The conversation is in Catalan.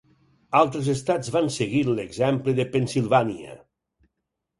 Altres estats van seguir l'exemple de Pennsilvània.